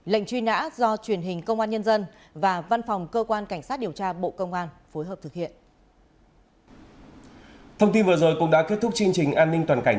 lệnh truy nã do truyền hình công an nhân dân và văn phòng cơ quan cảnh sát điều tra bộ công an phối hợp thực hiện